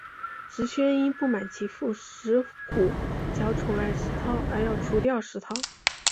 石宣因不满其父石虎较宠爱石韬而要除掉石韬。